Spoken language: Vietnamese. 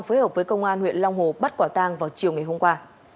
phối hợp với công an huyện long hồ bắt quả tang vào chiều ngày hôm qua